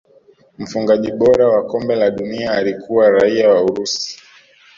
mfungaji bora wa kombe la dunia alikuwa raia wa urusi